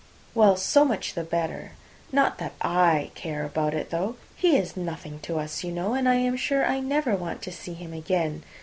"Well, so much the better. Not that I care about it, though. He is nothing to us, you know, and I am sure I never want to see him again.